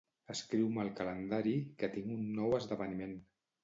Escriu-me al calendari que tinc un nou esdeveniment.